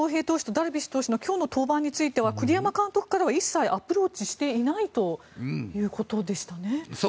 ダルビッシュ投手の今日の登板については栗山監督からは一切アプローチしていないということでしたね。